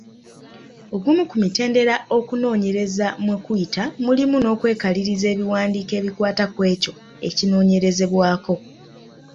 Ogumu ku mitendera okunoonyereza mwe kuyita mulimu n’okwekaliriza ebiwandiiko ebikwata kwekyo ekinoonyerezebwako.